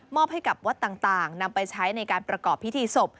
ให้กับวัดต่างนำไปใช้ในการประกอบพิธีศพ